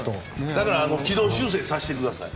だから軌道修正をさせてください。